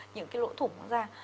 những cái lỗ thủng nó ra